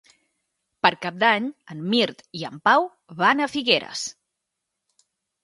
Per Cap d'Any en Mirt i en Pau van a Figueres.